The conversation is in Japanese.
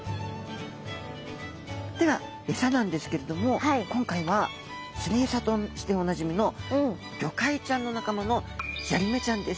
ではエサなんですけれども今回は釣りエサとしておなじみのゴカイちゃんの仲間のジャリメちゃんです。